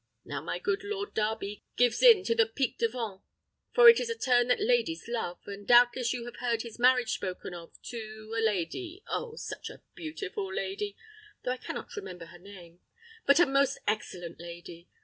Now, my good Lord Darby gives in to the pique devant, for it is a turn that ladies love; and doubtless you have heard his marriage spoken of to a lady oh! such a beautiful lady! though I cannot remember her name; but a most excellent lady.